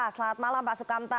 selamat malam pak sukamta